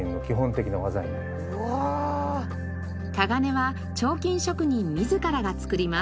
鏨は彫金職人自らが作ります。